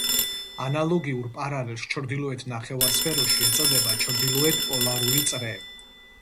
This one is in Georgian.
ანალოგიურ პარალელს ჩრდილოეთ ნახევარსფეროში ეწოდება ჩრდილოეთ პოლარული წრე.